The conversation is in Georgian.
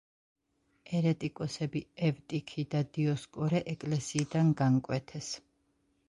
ერეტიკოსები ევტიქი და დიოსკორე ეკლესიიდან განკვეთეს.